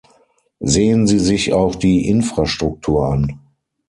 Sehen Sie sich auch die Infrastruktur an.